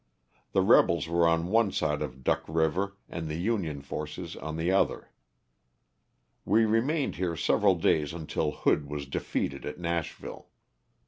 The rebels were on one side of Duck river and the Union forces on the other. We remained here several days until Hood was defeated at Nashville.